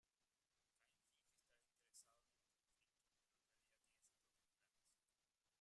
Kain finge estar interesado en el conflicto, pero en realidad tiene sus propios planes.